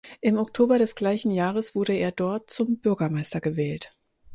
Im Oktober des gleichen Jahres wurde er dort zum Bürgermeister gewählt.